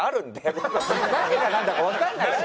何がなんだかわかんない。